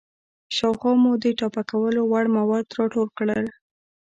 شاوخوا مو د ټاپه کولو وړ مواد راټول کړئ.